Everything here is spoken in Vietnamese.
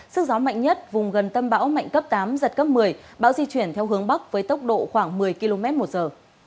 sức gió mạnh nhất vùng gần tâm bão mạnh cấp tám giật cấp một mươi bão di chuyển theo hướng bắc với tốc độ khoảng một mươi km một giờ